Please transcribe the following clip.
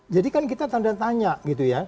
jadi kan kita tanda tanya gitu ya